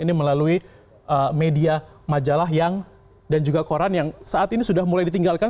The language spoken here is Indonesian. ini melalui media majalah dan juga koran yang saat ini sudah mulai ditinggalkan